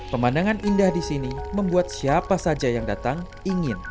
pemandangan indah di sini membuat siapa saja yang datang ingin